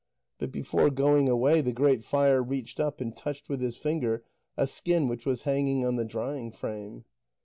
But before going away, the Great Fire reached up and touched with his finger a skin which was hanging on the drying frame.